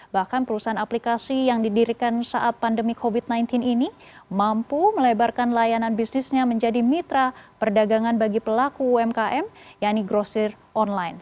bahkan perusahaan aplikasi yang didirikan saat pandemi covid sembilan belas ini mampu melebarkan layanan bisnisnya menjadi mitra perdagangan bagi pelaku umkm yakni grosir online